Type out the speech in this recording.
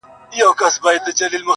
خدایه د شپېتو بړېڅو ټولي سوې کمبلي؛